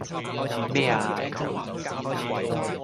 咩呀!